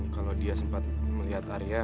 kalau dia sempat melihat arya